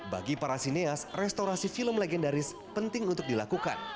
bagi para sineas restorasi film legendaris penting untuk dilakukan